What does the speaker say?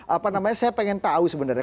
apa namanya saya pengen tahu sebenarnya